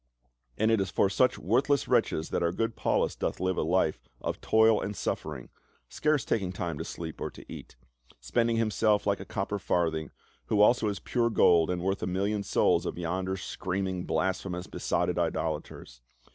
And it is for such worthless wretches that our good Paulus doth live a life of toil and suffering, scarce taking time to sleep or to eat ; spending himself like a copper farthing, who also is pure gold and worth a million souls of yonder screaming blasphemous besotted idolaters.